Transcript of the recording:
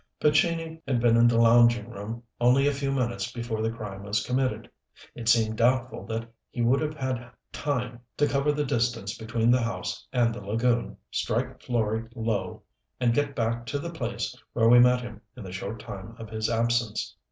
Pescini had been in the lounging room only a few minutes before the crime was committed. It seemed doubtful that he would have had time to cover the distance between the house and the lagoon, strike Florey low, and get back to the place where we met him in the short time of his absence.